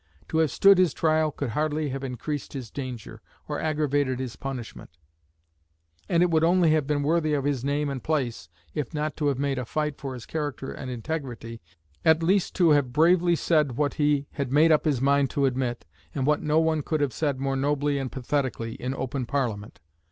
To have stood his trial could hardly have increased his danger, or aggravated his punishment; and it would only have been worthy of his name and place, if not to have made a fight for his character and integrity, at least to have bravely said what he had made up his mind to admit, and what no one could have said more nobly and pathetically, in open Parliament.